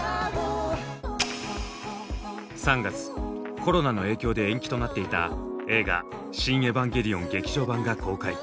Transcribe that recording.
コロナの影響で延期となっていた映画「シン・エヴァンゲリオン劇場版」が公開。